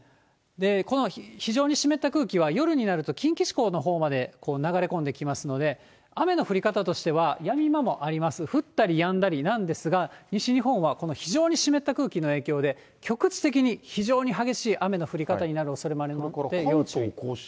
で、この非常に湿った空気は、夜になると近畿地方のほうまで流れ込んできますので、雨の降り方としては、やみ間もあります、降ったりやんだりなんですが、西日本は、この非常に湿った空気の影響で、局地的に非常に激しい雨の降り方になりますので、要注意。